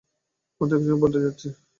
মাধ্যাকর্ষণ পাল্টে যাচ্ছে।